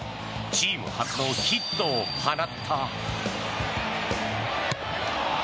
チーム初のヒットを放った。